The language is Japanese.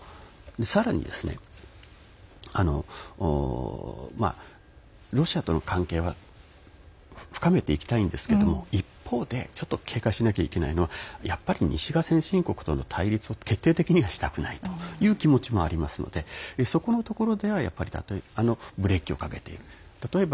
さらに、ロシアとの関係は深めていきたいんですけど一方でちょっと警戒しないといけないのは西側先進国との対立を決定的にはしたくないという気持ちもありますのでそこのところではやっぱりブレーキをかけている。